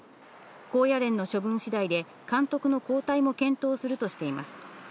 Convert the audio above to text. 高野連の処分しだいで、監督の交代も検討するとしています。